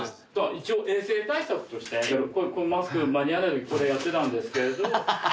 一応衛生対策としてこのマスク間に合わない時これやってたんですけれど。